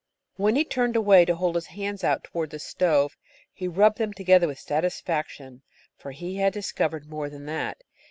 When he turned away to hold his hands out toward the stove, he rubbed them together with satisfaction, for he had discovered more than that.